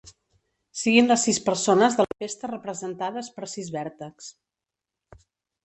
Siguin les sis persones de la festa representades per sis vèrtexs.